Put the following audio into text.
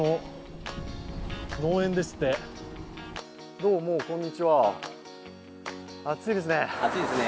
どうもこんにちは、暑いですね。